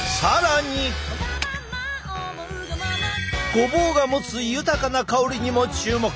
ごぼうが持つ豊かな香りにも注目！